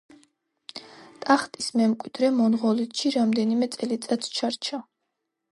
ტახტის მემკვიდრე მონღოლეთში რამდენიმე წელიწადს ჩარჩა.